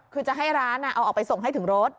คือจะให้ร้านเอาออกไปส่งให้ถึงรถ